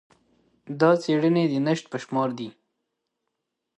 دا څېړنې د نشت په شمار دي.